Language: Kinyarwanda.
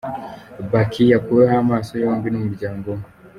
Baqi yakuwemo amaso yombi n’umuryango we.